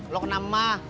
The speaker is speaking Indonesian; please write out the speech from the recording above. lu kenam mah